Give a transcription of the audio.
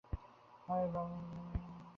আমি ঐ ব্রাহ্মণ-পূজারীকে অন্তর দিয়ে ভালবাসি।